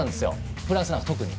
フランスなんて特に。